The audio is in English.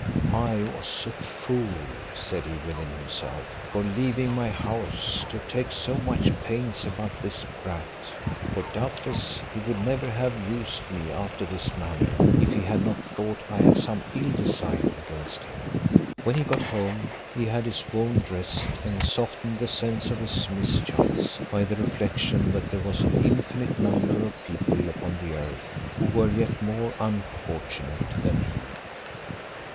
"I was a fool," said he within himself, "for leaving my house, to take so much pains about this brat; for doubtless he would never have used me after this manner, if he had not thought I had some ill design against him." When he got home, he had his wound dressed, and softened the sense of his mischance by the reflection that there was an infinite number of people upon the earth, who were yet more unfortunate than he.